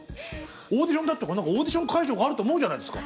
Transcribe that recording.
オーディションだっていうからオーディション会場があると思うじゃないですか。